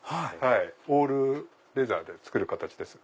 オールレザーで作る形ですね。